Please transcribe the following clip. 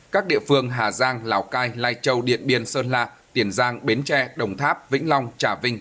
các địa phương hà giang lào cai lai châu điện biên sơn la tiền giang bến tre đồng tháp vĩnh long trà vinh